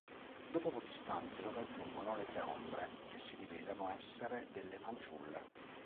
Dopo pochi istanti sopraggiungono le tre ombre, che si rivelano essere delle fanciulle.